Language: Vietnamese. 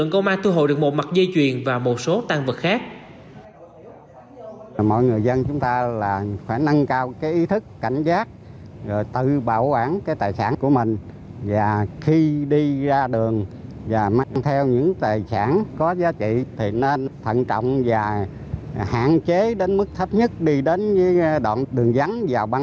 công an tp hcm bắt giữ tên cầm đầu đồng thời phối hợp công an tp hcm bắt năm đối tượng còn lại